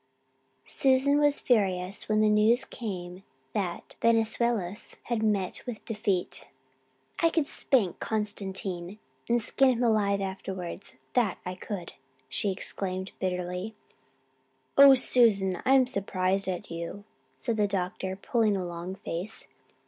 Susan was furious when the news came that Venizelos had met with defeat. "I could spank Constantine and skin him alive afterwards, that I could," she exclaimed bitterly. "Oh, Susan, I'm surprised at you," said the doctor, pulling a long face.